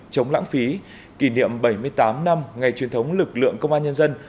chống lãng phí kỷ niệm bảy mươi tám năm ngày truyền thống lực lượng công an nhân dân